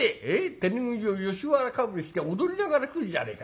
手拭いを吉原かぶりして踊りながら来るじゃねえか。